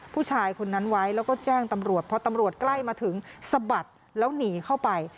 ผู้ชายคนนั้นไว้แล้วก็แจ้งตำรวจพอตำรวจใกล้มาถึงสะบัดแล้วหนีเข้าไป